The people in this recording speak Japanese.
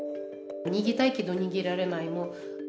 逃げたいけど逃げられない。